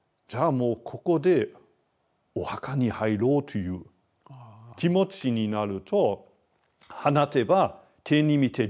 もうここでお墓に入ろうという気持ちになると「放てば手に満てり」。